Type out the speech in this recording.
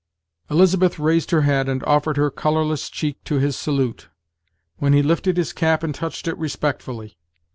Elizabeth raised her head, and offered her colorless cheek to his salute, when he lifted his cap and touched it respectfully.